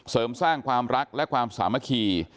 เสริมสร้างความรักและความสามัคคี